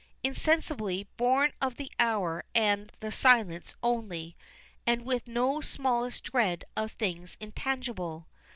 Insensibly, born of the hour and the silence only, and with no smallest dread of things intangible.